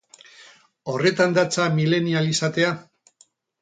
Horretan datza milenial izatea?